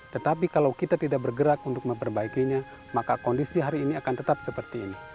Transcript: tetapi kalau kita tidak bergerak untuk memperbaikinya maka kondisi hari ini akan tetap seperti ini